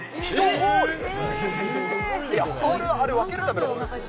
ホール、あれ、分けるためのものですよ。